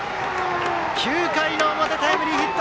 ９回の表、タイムリーヒット！